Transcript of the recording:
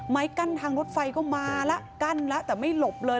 ไม้กั้นทางรถไฟก็มาแล้วกั้นแล้วแต่ไม่หลบเลย